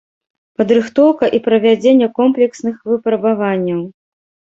Падрыхтоўка і правядзенне комплексных выпрабаванняў.